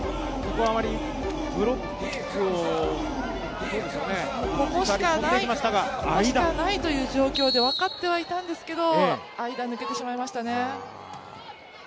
ここしかないという状況で分かってはいたんですけれども、間、抜けてしまいましたね。